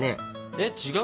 えっ違う？